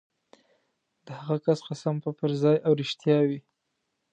د هغه کس قسم به پرځای او رښتیا وي.